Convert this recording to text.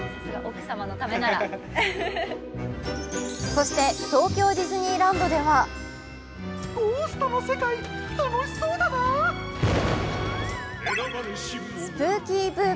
そして、東京ディズニーランドではスプーキー“Ｂｏｏ！